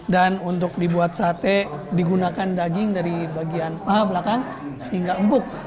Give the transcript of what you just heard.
dan untuk dibuat sate digunakan daging dari bagian paha belakang sehingga empuk